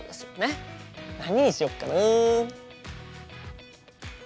何にしよっかな？